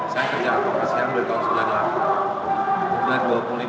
saya kerja komersial dari tahun seribu sembilan ratus sembilan puluh delapan